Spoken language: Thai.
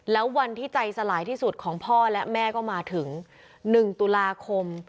แล้ววันที่ใจสลายที่สุดของพ่อและแม่ก็มาถึง๑ตุลาคม